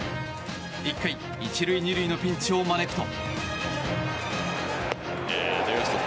１回１塁２塁のピンチを招くと。